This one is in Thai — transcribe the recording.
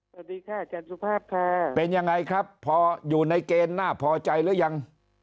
สวัสดีค่ะอาจารย์สุภาพค่ะเป็นยังไงครับพออยู่ในเกณฑ์น่าพอใจหรือยัง